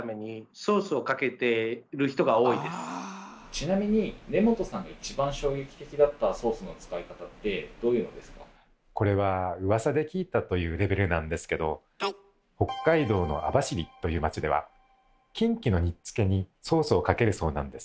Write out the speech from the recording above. ちなみにこれはうわさで聞いたというレベルなんですけど北海道の網走という町ではキンキの煮つけにソースをかけるそうなんです。